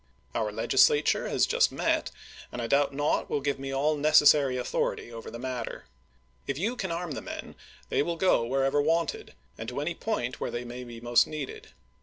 Our Legislature has just met, and I doubt not will give me all necessary authority over the matter. If you can arm the men they will go whenever wanted, and to any point where they may be most needed.